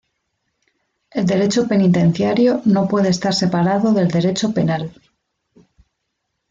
El derecho penitenciario no puede estar separado del derecho penal.